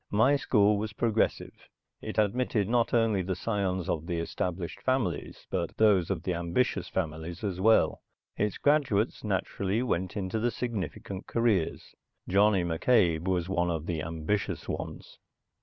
My school was progressive. It admitted not only the scions of the established families but those of the ambitious families as well. Its graduates, naturally, went into the significant careers. Johnny McCabe was one of the ambitious ones.